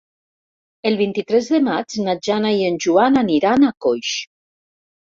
El vint-i-tres de maig na Jana i en Joan aniran a Coix.